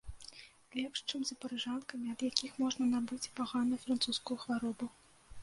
Лепш, чым з парыжанкамі, ад якіх можна набыць паганую французскую хваробу.